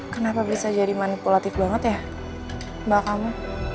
kenapa bisa jadi manipulatif banget ya mbak kamu